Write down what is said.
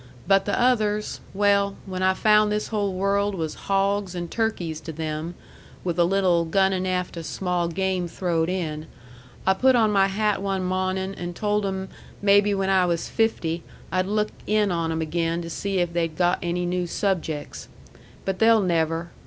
But the others well, when I found this whole world was hawgs and turkeys to them, with a little gunnin' afteh small game throwed in, I put on my hat one mawnin' and told 'em maybe when I was fifty I'd look in on 'em again to see if they'd got any new subjects. But they'll never.